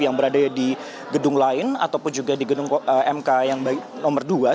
yang berada di gedung lain ataupun juga di gedung mk yang nomor dua